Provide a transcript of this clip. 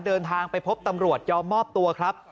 เดินทางไปพบตำรวจยอมมอบตัวครับ